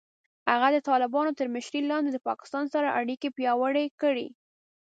هغه د طالبانو تر مشرۍ لاندې د پاکستان سره اړیکې پیاوړې کړې.